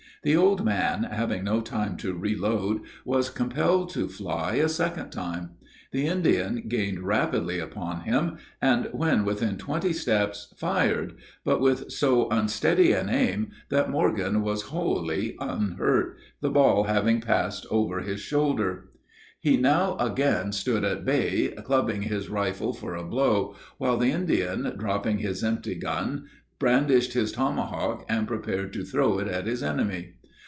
The old man, having no time to reload, was compelled to fly a second time. The Indian gained rapidly upon him, and, when within twenty steps, fired, but with so unsteady an aim, that Morgan was wholly unhurt, the ball having passed over his shoulder. He now again stood at bay, clubbing his rifle for a blow, while the Indian, dropping his empty gun, brandished his tomahawk and prepared to throw it at his enemy.